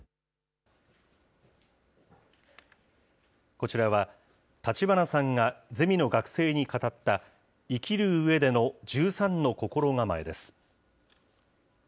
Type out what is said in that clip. こちらは、立花さんがゼミの学生に語った、生きるうえでの１３の心構えです。